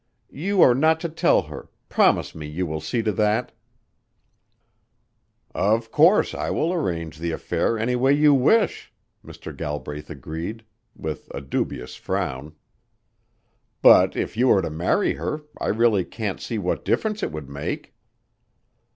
You are not to tell her promise me you will see to that." "Of course I will arrange the affair any way you wish," Mr. Galbraith agreed, with a dubious frown. "But if you are to marry her, I really can't see what difference it would make."